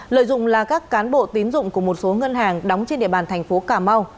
lợi dụng là các cán bộ tín dụng của một số ngân hàng đóng trên địa bàn thành phố cà mau